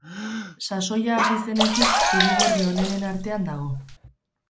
Sasoia hasi zenetik zuri-gorri onenen artean dago.